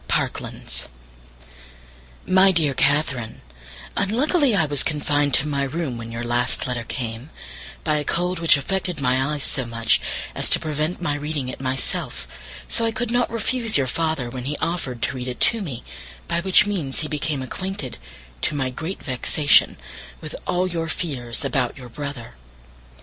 _ Parklands. My dear Catherine,—Unluckily I was confined to my room when your last letter came, by a cold which affected my eyes so much as to prevent my reading it myself, so I could not refuse your father when he offered to read it to me, by which means he became acquainted, to my great vexation, with all your fears about your brother.